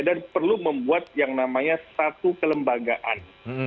dan perlu membuat yang namanya satu kelembagaan